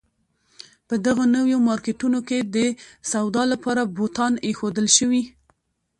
په دغو نویو مارکېټونو کې د سودا لپاره بوتان اېښودل شوي.